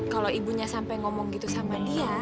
kalau ibunya sampai ngomong gitu sama dia